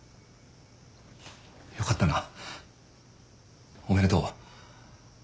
よかったなおめでとう。